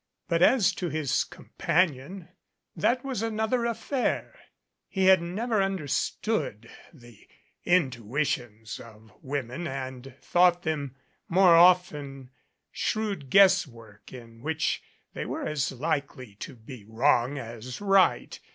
But as to his companion that was another affair. He had never understood the intuitions of women and thought them more often shrewd guess work in which they were as likely to be wrong as right.